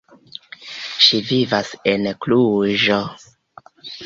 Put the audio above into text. Ŝi vivas en Kluĵo.